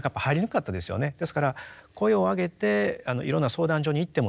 ですから声を上げていろんな相談所に行ってもですね